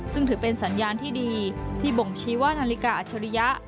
ซึ่งถือเป็นสัญญาณที่ดีที่บ่งชี้ว่านาฬิกาอัชริยะ